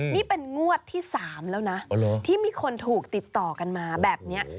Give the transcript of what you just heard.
นี่เป็นงวดที่๓แล้วนะที่มีคนถูกติดต่อกันมาแบบนี้